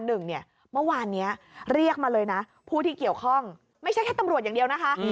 เมื่อวานนี้เรียกมาเลยนะผู้ที่เกี่ยวข้องไม่ใช่แค่ตำรวจอย่างเดียวนะคะ